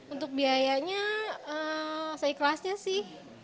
untuk biayanya seikhlasnya sih